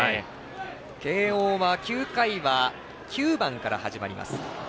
慶応は９回は９番から始まります。